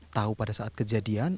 tahu pada saat kejadian